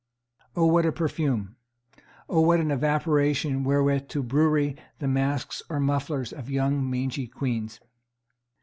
O what a perfume! O what an evaporation wherewith to bewray the masks or mufflers of young mangy queans.